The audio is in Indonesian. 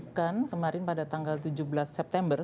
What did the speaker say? pertama pbi yang kemarin pada tanggal tujuh belas september